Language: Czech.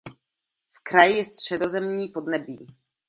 V kraji je středozemní podnebí.